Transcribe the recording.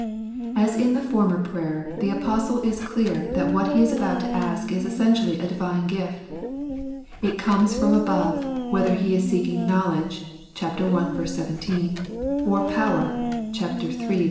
As in the former prayer, the Apostle is clear that what he is about to ask is essentially a Divine gift. It comes from above, whether he is seeking knowledge (ch. i. 17) or power (ch. iii. 16).